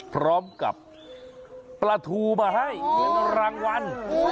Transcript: พร้อมกับปลาทูมาให้เห็นรางวัล